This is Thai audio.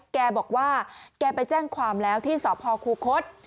แกบอกว่าแกไปแจ้งความแล้วที่สพคูคศ